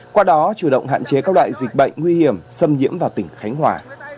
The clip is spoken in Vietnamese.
qua đó chủ động hạn chế các loại dịch bệnh nguy hiểm xâm nhiễm vào tỉnh khánh hòa